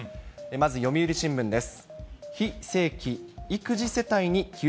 まず読売新聞です。